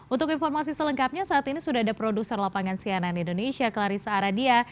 untuk informasi selengkapnya saat ini sudah ada produser lapangan cnn indonesia clarissa aradia